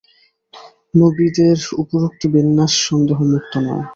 নবীদের উপরোক্ত বিন্যাস সন্দেহমুক্ত নয়।